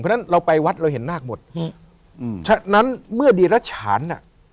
เพราะฉะนั้นเราไปวัดเราเห็นนาคหมดอืมฉะนั้นเมื่อดีรัชฉานอ่ะ